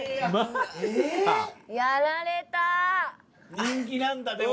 人気なんだでも。